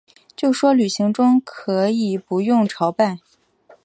就说旅行中可以不用朝拜